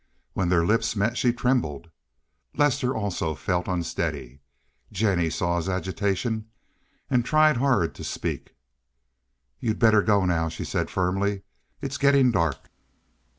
When their lips met she trembled. Lester also felt unsteady. Jennie saw his agitation, and tried hard to speak. "You'd better go now," she said firmly. "It's getting dark."